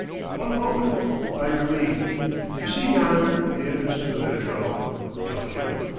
"One moment, by your leave. You see yonder the entrance to the Metro don't you?